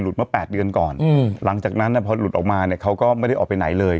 เมื่อ๘เดือนก่อนหลังจากนั้นพอหลุดออกมาเนี่ยเขาก็ไม่ได้ออกไปไหนเลย